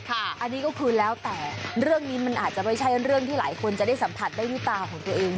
อันนี้ก็คือแล้วแต่เรื่องนี้มันอาจจะไม่ใช่เรื่องที่หลายคนจะได้สัมผัสได้ด้วยตาของตัวเอง